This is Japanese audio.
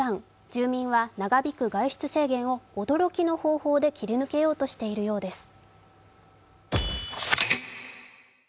住民は長引く外出制限を、驚きの方法で切り抜けようとしているようです。